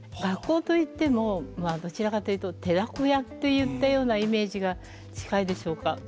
学校といってもどちらかっていうと寺子屋っていったようなイメージが近いでしょうか。